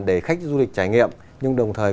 để khách du lịch trải nghiệm nhưng đồng thời